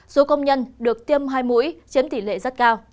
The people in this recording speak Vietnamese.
số công nhân được tiêm hai mũi chiếm tỷ lệ rất cao